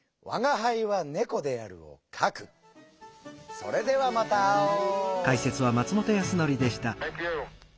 それではまた会おう！